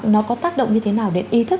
nó có tác động như thế nào đến ý thức